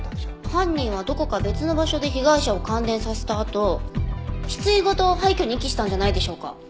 犯人はどこか別の場所で被害者を感電させたあと棺ごと廃虚に遺棄したんじゃないでしょうか。